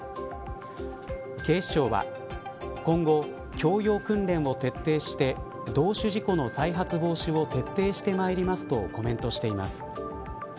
警視庁は今後教養訓練を徹底して同種事故の再発防止を徹底してまいりますとコメントしています。